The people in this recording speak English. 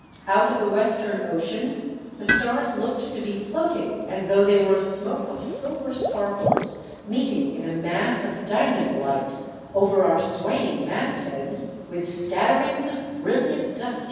Out of the western ocean the stars looked to be floating as though they were a smoke of silver sparkles, meeting in a mass of diamond light over our swaying mastheads, with scatterings of brilliant dust 486 THE DEATH SHIP.